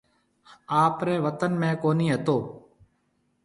آپرَي وطن ۾ ڪونهي هتو۔